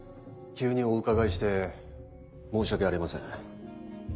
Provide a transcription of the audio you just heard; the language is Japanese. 急にお伺いして申し訳ありません。